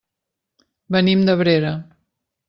Venim d'Abrera.